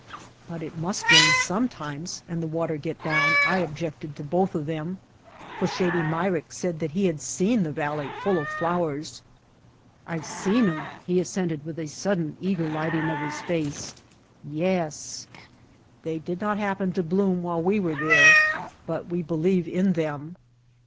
"But it must rain sometimes and the water get down," I objected to both of them, "for Shady Myrick said that he had seen the valley full of flowers." "I've seen 'em," he assented, with a sudden eager lighting of his face — "yes!" They did not happen to bloom while we were there but we believe in them.